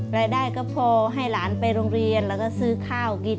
รายได้ก็พอให้หลานไปโรงเรียนแล้วก็ซื้อข้าวกิน